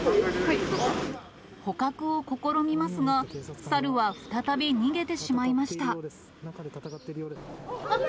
捕獲を試みますが、猿は再び逃げてしまいました。